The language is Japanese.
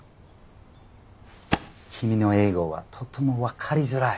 君の英語はとてもわかりづらい。